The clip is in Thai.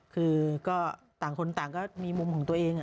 คือก็ต่างคนต่างก็มีมุมของตัวเอง